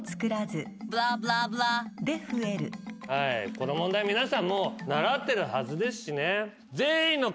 この問題皆さん習ってるはずですしね。